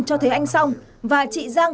cho thế anh xong và chị giang